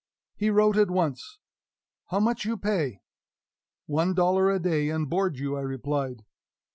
He wrote at once, "How much you pay?" "One dollar a day, and board you," I replied.